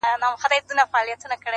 o يوه ورځ يو هلک پوښتنه کوي,